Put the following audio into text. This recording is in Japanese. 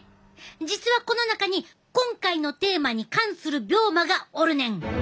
実はこの中に今回のテーマに関する病魔がおるねん！